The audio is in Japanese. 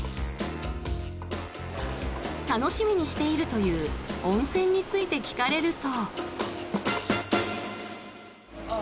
楽しみにしているという温泉について聞かれると。